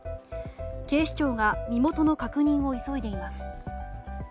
警視庁が身元の確認を急いでいます。